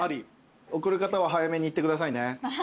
送る方は早めに言ってくださいね。